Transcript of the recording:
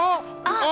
あっ！